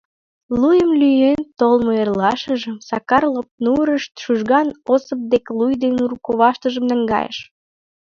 Луйым лӱен толмо эрлашыжым Сакар Лопнурыш Чужган Осып дек луй ден ур коваштыжым наҥгайыш.